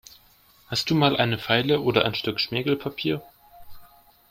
Hast du mal eine Feile oder ein Stück Schmirgelpapier?